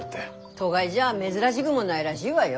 都会じゃ珍しぐもないらしいわよ。